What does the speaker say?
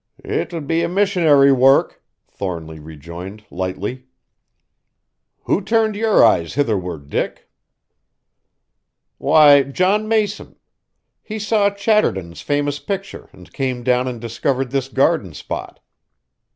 "'T would be a missionary work," Thornly rejoined lightly. "Who turned your eyes hitherward, Dick?" "Why, John Mason. He saw Chatterton's famous picture and came down and discovered this garden spot.